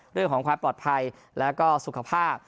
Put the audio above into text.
เรื่องของความปลอดภัยแล้วก็สุขภาพ